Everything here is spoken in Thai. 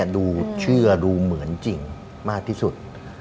ดูเชื่อดูเหมือนจริงมากที่สุด